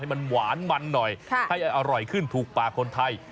มันหวานมันหน่อยให้อร่อยขึ้นถูกปากคนไทย